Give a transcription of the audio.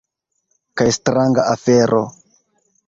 Kaj stranga afero.